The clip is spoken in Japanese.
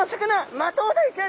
マトウダイちゃん